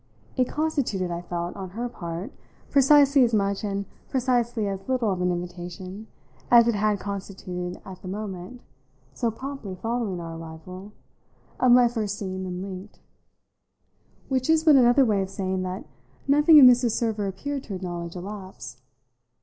It constituted, I felt, on her part, precisely as much and precisely as little of an invitation as it had constituted at the moment so promptly following our arrival of my first seeing them linked; which is but another way of saying that nothing in Mrs. Server appeared to acknowledge a lapse.